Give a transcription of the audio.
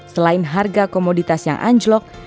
selain harga komoditas yang anjlok